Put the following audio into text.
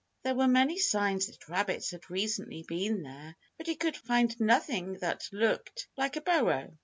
There were many signs that rabbits had recently been there, but he could find nothing that looked like a burrow.